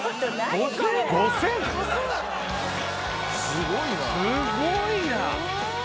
すごいな。